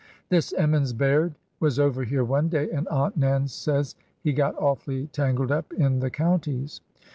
This Emmons Baird was over here one day, and Aunt Nan says he got awfully tangled up in the counties."